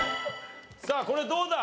さあこれどうだ？